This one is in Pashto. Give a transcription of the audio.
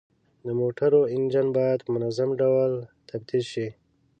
د موټرو انجن باید په منظم ډول تفتیش شي.